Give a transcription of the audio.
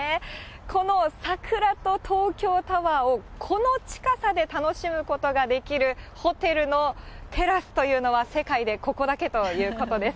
この桜と東京タワーをこの近さで楽しむことができるホテルのテラスというのは、世界でここだけということです。